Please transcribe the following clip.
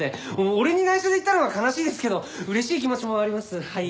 俺に内緒で行ったのは悲しいですけど嬉しい気持ちもありますはい。